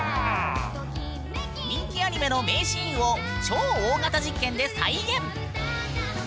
人気アニメの名シーンを超大型実験で再現！